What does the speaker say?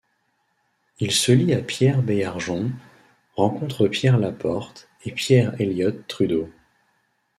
Il se lie à Pierre Baillargeon, rencontre Pierre Laporte et Pierre Elliott Trudeau.